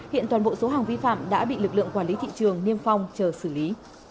hiện toàn bộ số hàng vi phạm đã bị lực lượng quản lý thị trường niêm phong chờ xử lý